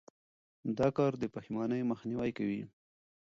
دا کار د پښېمانۍ مخنیوی کوي.